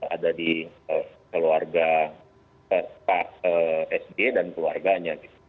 ada di keluarga sd dan keluarganya